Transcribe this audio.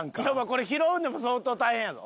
これ拾うんでも相当大変やぞ。